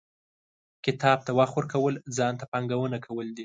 • کتاب ته وخت ورکول، ځان ته پانګونه کول دي.